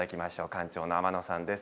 館長の天野さんです。